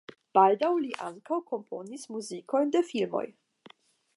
Baldaŭ li ankaŭ komponis muzikojn de filmoj.